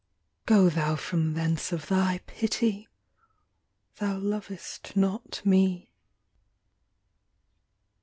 Go thou from thence of thy pity ! Thou lovest not me.